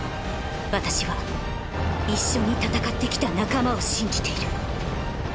私は一緒に戦ってきた仲間を信じている。